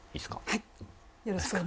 はい。